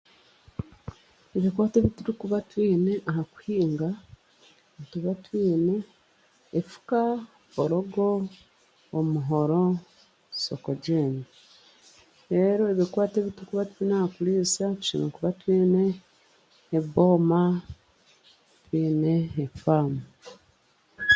Ebikwato ebi turikuba twine aha kuhinga, nituba twine efuka, eforogo, omuhoro, sokajembe. Reero ebikwato ebi turikuba twine aha kuriisa nituba twine ebooma, twine efaamu.